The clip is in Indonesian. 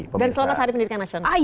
dan selamat hari pendidikan nasional